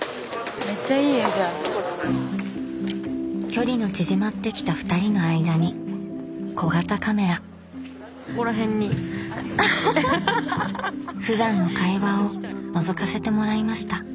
距離の縮まってきたふたりの間にふだんの会話をのぞかせてもらいました。